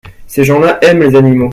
Ces gens-là aiment les animaux.